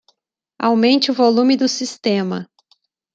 Aumente o volume do sistema.